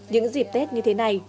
những dịp tết như thế này